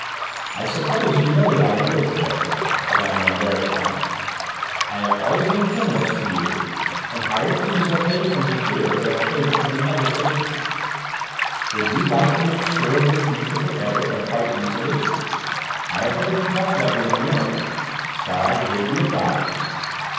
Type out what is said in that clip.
"I suppose you know that I am rich, Berthe?" Mme. Rambert went on. "I have always been generous to you, and higher fees are paid for me here than are paid for any other patient. Would you like to make sure of your future for ever, and quite easily? I have heard you talk about getting married. Shall I give you a dot?